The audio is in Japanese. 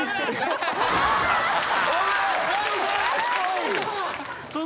おい！